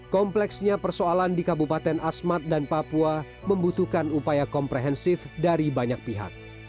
kompleksnya persoalan di kabupaten asmat dan papua membutuhkan upaya komprehensif dari banyak pihak